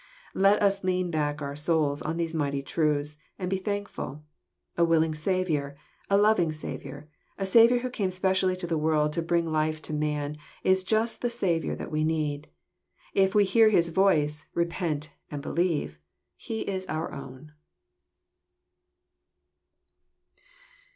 Let us lean back our souls on these mighty truths, and be thankful. A willing Saviour, a loving Saviour, a Saviour who came specially into the world to bring life to man, is just the Saviour that we need. If we hear His voice, re pent and beUeve, He is our own.